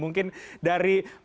mungkin dari masyarakat